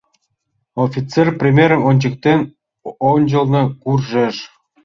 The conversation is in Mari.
Офицер, примерым ончыктен, ончылно куржеш.